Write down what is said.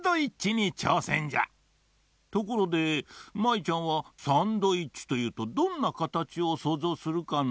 ところで舞ちゃんはサンドイッチというとどんなかたちをそうぞうするかな？